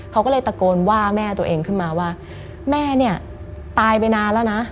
เขาก็เลยตะโกนว่าแม่ตัวเองขึ้นมาว่าแม่เนี่ยตายไปนานแล้วนะ